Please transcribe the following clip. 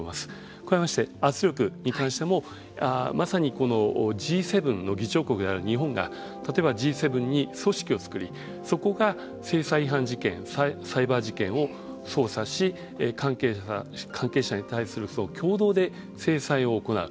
加えまして圧力に関してもまさにこのＧ７の議長国である日本が例えばＧ７に組織を作りそこが制裁違反事件サイバー事件を捜査し関係者に対する共同で制裁を行う。